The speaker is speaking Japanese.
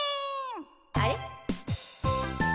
あれ？